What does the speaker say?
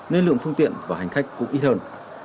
nên lượng phương tiện của hành khách cũng ít hơn